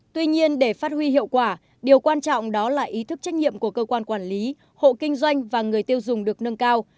tuy nhiên để phát huy hiệu quả điều quan trọng đó là ý thức trách nhiệm của cơ quan quản lý hộ kinh doanh và người tiêu dùng được nâng cao